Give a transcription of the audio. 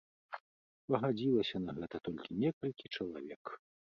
Пагадзілася на гэта толькі некалькі чалавек.